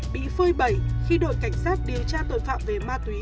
bị phơi bẩy khi đội cảnh sát điều tra tội phạm về ma túy